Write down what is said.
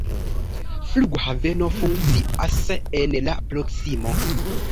Flughaveno funkcias en la proksimo.